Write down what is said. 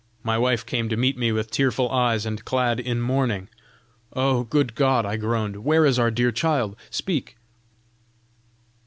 My wife came to meet me with tearful eyes and clad in mourning. 'Oh! Good God!' I groaned, 'where is our dear child? speak!'